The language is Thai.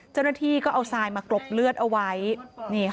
เจ้าหน้าที่ก็เอาทรายมากรบเลือดเอาไว้นี่ค่ะ